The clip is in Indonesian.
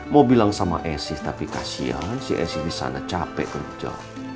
mau bilang sama esy tapi kasihan si esy di sana capek kerja